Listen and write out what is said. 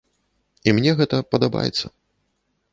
І мне гэта падабаецца.